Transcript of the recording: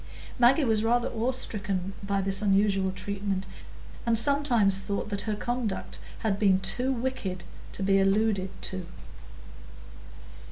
Maggie was rather awe stricken by this unusual treatment, and sometimes thought that her conduct had been too wicked to be alluded to.